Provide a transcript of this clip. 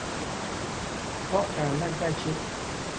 เพราะการได้ใกล้ชิด